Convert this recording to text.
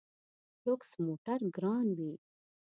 لوکس موټر ګران وي.